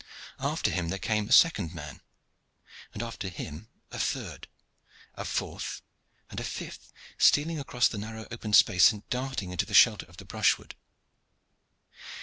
After him there came a second man, and after him a third, a fourth, and a fifth stealing across the narrow open space and darting into the shelter of the brushwood.